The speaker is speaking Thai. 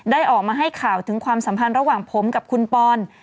ได้ออกมาให้ข่าวถึงความสัมพันธ์ระหว่างผมกับคุณปอน